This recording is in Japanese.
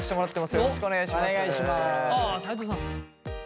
よろしくお願いします。